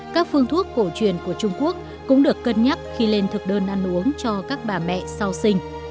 các phương thuốc cổ truyền của trung quốc cũng được cân nhắc khi lên thực đơn ăn uống cho các bà mẹ sau sinh